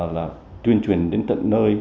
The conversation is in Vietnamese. là tuyên truyền đến tận nơi